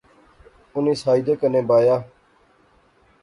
اُنی ساجدے کنے بایا